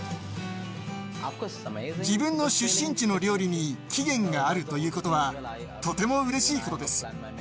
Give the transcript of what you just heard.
自分の出身地の料理に起源があるということはとてもうれしいことです。